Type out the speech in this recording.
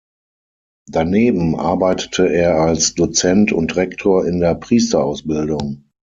Daneben arbeitete er als Dozent und Rektor in der Priesterausbildung.